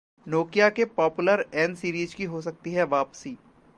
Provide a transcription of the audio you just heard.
Nokia के popular N Series की हो सकती है वापसी